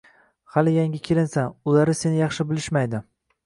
Hali yangi kelinsan, ulari seni yaxshi bilishmaydi